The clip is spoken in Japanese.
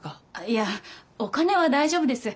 いやお金は大丈夫です。